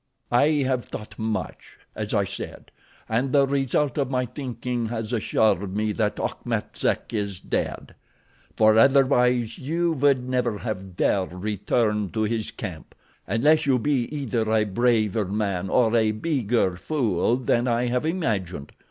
"I have thought much, as I said, and the result of my thinking has assured me that Achmet Zek is dead—for otherwise you would never have dared return to his camp, unless you be either a braver man or a bigger fool than I have imagined.